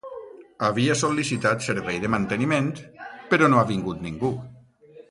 Havia sol·licitat servei de manteniment, però no ha vingut ningú.